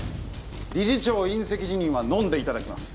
理事長引責辞任はのんでいただきます